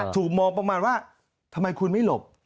ถูกมองประมาณว่าทำไมคุณไม่หลบ